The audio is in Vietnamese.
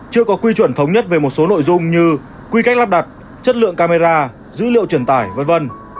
chưa có quy chuẩn thống nhất về một số nội dung như quy cách lắp đặt chất lượng camera dữ liệu truyền tải v v